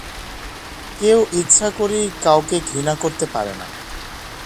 কেউ ইচ্ছা করেই কাউকে ঘৃণা করতে পারে না।